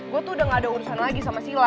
gue tuh udah gak ada urusan lagi sama sila